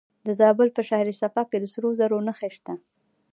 د زابل په شهر صفا کې د سرو زرو نښې شته.